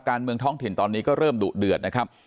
การเมืองท้องถิ่นตอนนี้ก็เริ่มดุเดือดนะครับ